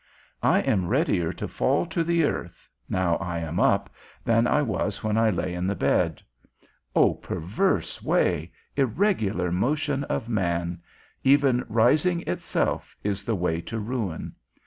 I am readier to fall to the earth, now I am up, than I was when I lay in the bed. O perverse way, irregular motion of man; even rising itself is the way to ruin!